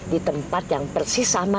di tempat yang persis sama